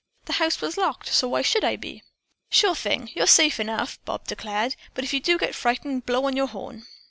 "The house was locked, so why should I be?" "Sure thing. You're safe enough!" Bob declared. "But if you do get frightened, blow on your horn."